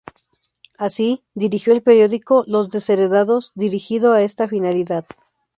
Así, dirigió el periódico "Los Desheredados", dirigido a esta finalidad.